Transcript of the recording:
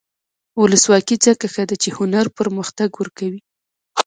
ولسواکي ځکه ښه ده چې هنر پرمختګ ورکوي.